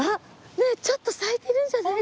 ねえちょっと咲いてるんじゃないですか？